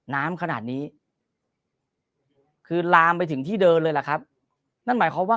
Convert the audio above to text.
น้ำขนาดนี้คือลามไปถึงที่เดินเลยล่ะครับนั่นหมายความว่า